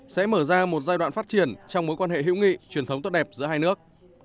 sẽ mở ra một giai đoạn phát triển trong mối quan hệ hữu nghị truyền thống tốt đẹp giữa hai nước